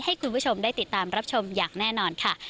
ให้คุณผู้ชมได้ติดตามรับชมอย่างแน่นอนค่ะ